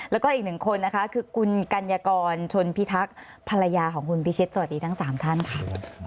แล้วก็อีกหนึ่งคนนะคะคือคุณกัญญากรชนพิทักษ์ภรรยาของคุณพิชิตสวัสดีทั้ง๓ท่านค่ะ